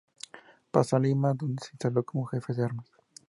Pasó a Lima, donde se instaló como jefe de armas.